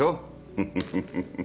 フフフフフ。